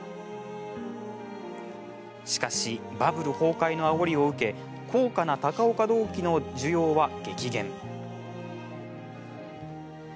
しかしバブル崩壊のあおりを受け高価な高岡銅器の需要は激減。